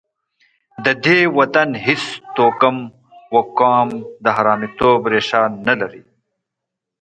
د دې وطن هېڅ توکم او قوم د حرامیتوب ریښه نه لري.